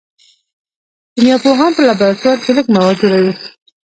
کیمیا پوهان په لابراتوار کې لږ مواد جوړوي.